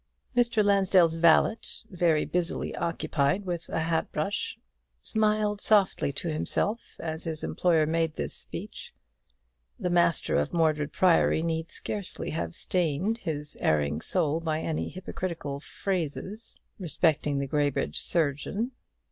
Mr. Lansdell's valet, very busily occupied with a hat brush, smiled softly to himself as his employer made this speech. The master of Mordred Priory need scarcely have stained his erring soul by any hypocritical phrases respecting the Graybridge surgeon.